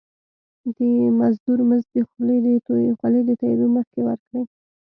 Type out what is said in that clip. د مزدور مزد د خولي د تويدو مخکي ورکړی.